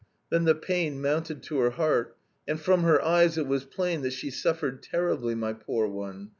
'" "Then the pain mounted to her heart, and from her eyes it as, plain that she suffered terribly, my poor one!